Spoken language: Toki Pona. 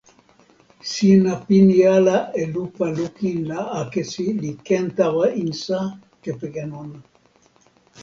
sina pini ala e lupa lukin la akesi li ken tawa insa kepeken ona.